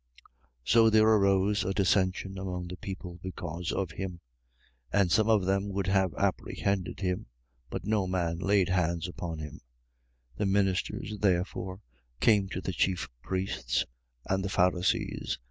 7:43. So there arose a dissension among the people because of him. 7:44. And some of them would have apprehended him: but no man laid hands upon him. 7:45. The ministers therefore came to the chief priests and the Pharisees.